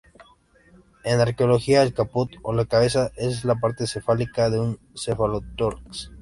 En arqueología, el "caput" o "la cabeza" es la parte cefálica de un cefalotórax.